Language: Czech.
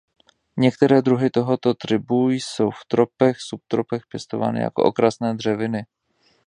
Některé druhy tohoto tribu jsou v tropech a subtropech pěstovány jako okrasné dřeviny.